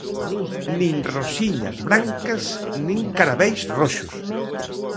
Nin rosiñas brancas, nin caraveis roxos!